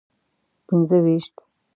پنځه ویشت.